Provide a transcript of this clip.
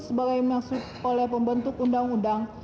sebagai yang dimaksud oleh pembentuk undang undang